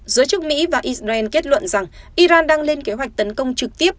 giới chức mỹ và israel kết luận rằng iran đang lên kế hoạch tấn công trực tiếp